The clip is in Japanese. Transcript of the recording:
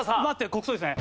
国葬ですね。